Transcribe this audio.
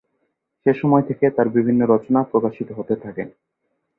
সেসময় থেকেই তার বিভিন্ন রচনা প্রকাশিত হতে থাকে।